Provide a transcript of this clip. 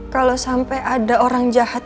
kalo sampe ada orang jahat